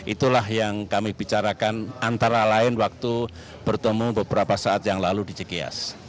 itulah yang kami bicarakan antara lain waktu bertemu beberapa saat yang lalu di cikias